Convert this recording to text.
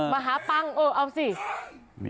มหาปังเออเอาสิ